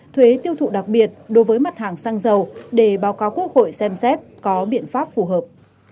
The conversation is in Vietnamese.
thuế tiêu thụ đặc biệt đối với mặt hàng xăng dầu để báo cáo quốc hội xem xét có biện pháp phù hợp